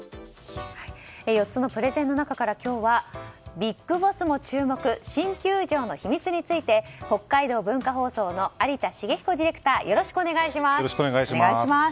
４つのプレゼンの中から今日はＢＩＧＢＯＳＳも注目新球場の秘密について北海道文化放送の有田慈彦ディレクターよろしくお願いします。